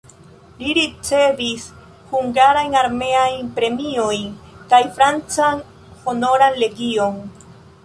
Li ricevis hungarajn armeajn premiojn kaj francan Honoran legion.